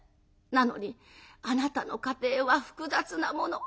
なのにあなたの家庭は複雑なもの。